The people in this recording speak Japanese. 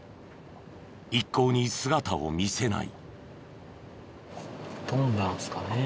一向に姿を見せない。